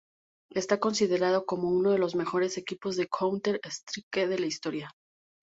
Está considerado como uno de los mejores equipos de Counter-Strike de la historia.